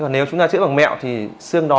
nếu chúng ta chữa bằng mẹo thì xương đó